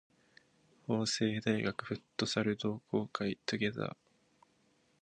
法政大学フットサル同好会 together